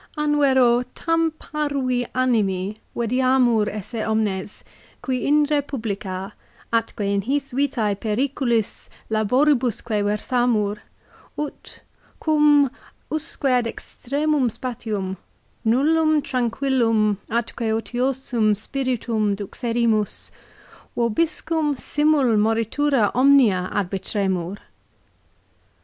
"An vero tarn parvi animi videamur esse omnes, qui in republica, atque in his vitas periculis laboribusque versamur, ut, quum, usque ad extremum spatium, nullum tranquillum atque otiosum spiritum duxerimus, vobiscum simul moritura omnia arbitremur